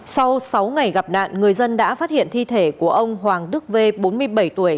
sau sáu ngày gặp nạn người dân đã phát hiện thi thể của ông hoàng đức v bốn mươi bảy tuổi